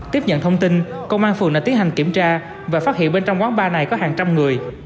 tiếp nhận thông tin công an phường đã tiến hành kiểm tra và phát hiện bên trong quán bar này có hàng trăm người